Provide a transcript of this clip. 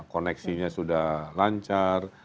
koneksinya sudah lancar